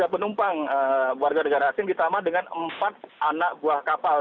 tiga penumpang warga negara asing ditambah dengan empat anak buah kapal